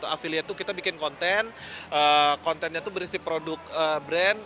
afilia itu kita bikin konten kontennya itu berisi produk brand